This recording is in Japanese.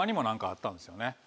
何かあったんですよね。